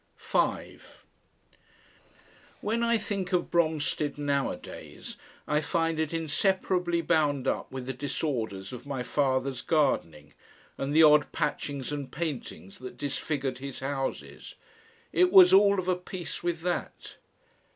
5 When I think of Bromstead nowadays I find it inseparably bound up with the disorders of my father's gardening, and the odd patchings and paintings that disfigured his houses. It was all of a piece with that.